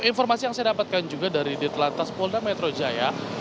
informasi yang saya dapatkan juga dari ditelantas polda metro jaya